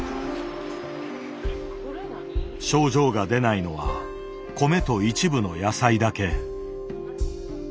症状が出ないのは米と一部の野菜だけ。